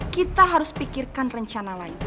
kita harus pikirkan rencana lain